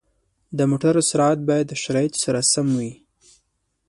د موټرو سرعت باید د شرایطو سره سم وي.